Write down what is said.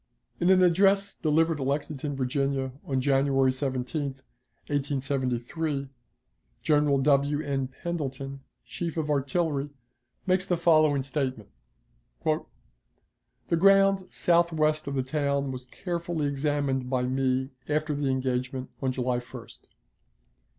In an address delivered at Lexington, Virginia, on January 17, 1873, General W. N. Pendleton, chief of artillery, makes the following statement: "The ground southwest of the town was carefully examined by me after the engagement on July 1st.